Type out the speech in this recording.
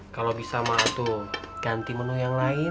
kalo bisa madu ganti menu yang lain